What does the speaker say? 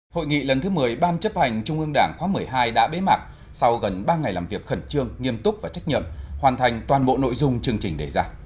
hội nghị lần thứ một mươi ban chấp hành trung ương đảng khóa một mươi hai đã bế mạc sau gần ba ngày làm việc khẩn trương nghiêm túc và trách nhiệm hoàn thành toàn bộ nội dung chương trình đề ra